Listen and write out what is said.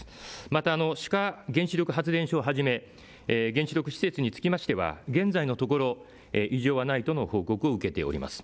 また志賀原子力発電所をはじめ原子力施設につきましては現在のところ異常はないとの報告を受けております。